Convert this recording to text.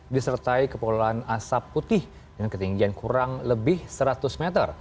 disertai kepulauan asap putih dengan ketinggian kurang lebih seratus meter